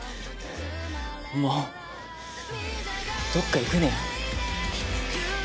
もうどっか行くなよ。